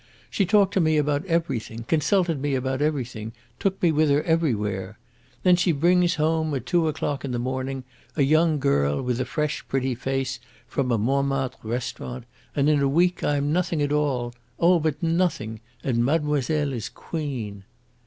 She talked to me about everything, consulted me about everything, took me with her everywhere. Then she brings home, at two o'clock in the morning, a young girl with a fresh, pretty face, from a Montmartre restaurant, and in a week I am nothing at all oh, but nothing and mademoiselle is queen."